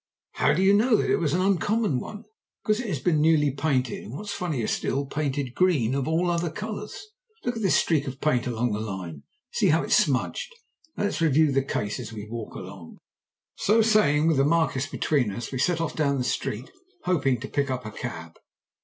"How do you know that it was an uncommon one?" "Because it has been newly painted, and what's funnier still, painted green, of all other colours. Look at this streak of paint along the line; see how it's smudged. Now, let's review the case as we walk along." So saying, with the Marquis between us, we set off down the street, hoping to be able to pick up a cab.